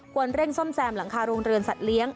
เร่งซ่อมแซมหลังคาโรงเรือนสัตว์เลี้ยง